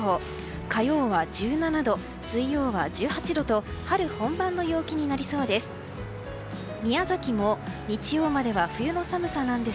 火曜は１７度、水曜は１８度と春本番の陽気になりそうです。